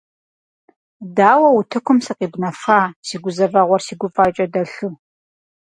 Дауэ утыкум сыкъибнэфа си гузэвэгъуэр си гуфӀакӀэ дэлъу?